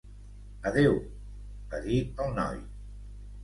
"Adeu", va dir el noi.